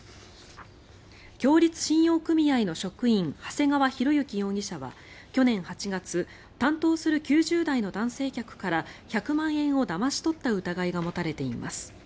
共立信用組合の職員長谷川広之容疑者は去年８月担当する９０代の男性客から１００万円をだまし取った疑いが持たれています。